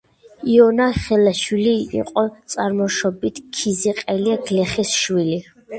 იონა ხელაშვილი იყო წარმოშობით ქიზიყელი გლეხის შვილი.